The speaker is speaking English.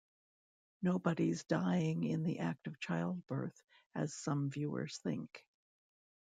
Nobody's dying in the act of childbirth, as some viewers think.